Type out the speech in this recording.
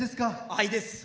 愛です。